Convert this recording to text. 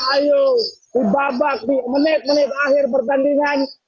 ayo di babak di menit menit akhir pertandingan